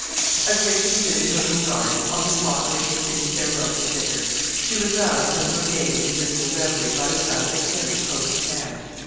As Rachel stood in her little garden, on the spot where she had bidden farewell to the vicar, she was roused from her vague and dismal reverie by the sound of a carriage close at hand.